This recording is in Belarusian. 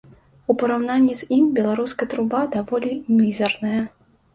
У параўнанні з ім беларуская труба даволі мізэрная.